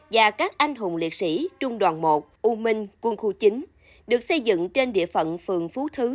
và các anh hùng liệt sĩ trung đoàn một u minh quân khu chín được xây dựng trên địa phận phường phú thứ